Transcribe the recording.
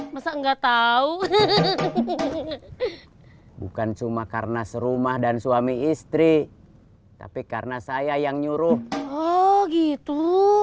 masa nggak tahu bukan cuma karena serumah dan suami istri tapi karena saya yang nyuruh oh gitu